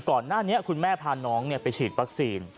ก่อนหน้านี้คุณแม่พาน้องไปฉีดวัคซีน